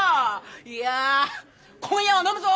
いや今夜は飲むぞ。